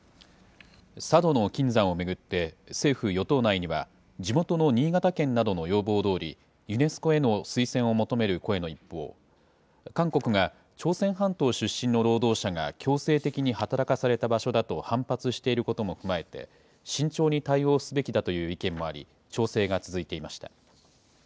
佐渡島の金山を巡って、政府・与党内には地元の新潟県などの要望どおり、ユネスコへの推薦を求める声の一方、韓国が朝鮮半島出身の労働者が強制的に働かされた場所だと反発していることも踏まえて、慎重に対応すべきだという意見もあり、調整が続いていました。